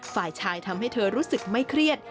ฝ่ายชายทำให้เธอรู้สึกไม่เครียด